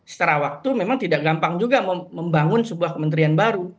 setara waktu memang tidak gampang juga membangun sebuah kementerian baru